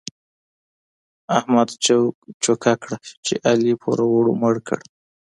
احمد چوک چوکه کړه چې علي پوروړو مړ کړ.